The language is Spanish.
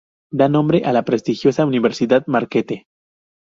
Da nombre a la prestigiosa Universidad Marquette.